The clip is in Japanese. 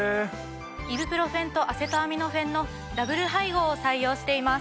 イブプロフェンとアセトアミノフェンのダブル配合を採用しています。